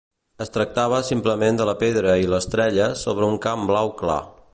Es tractava simplement de la pedra i l'estrella sobre un camp blau clar.